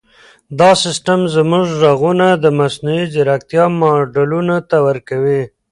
دا سیسټم زموږ ږغونه د مصنوعي ځیرکتیا ماډلونو ته ورکوي.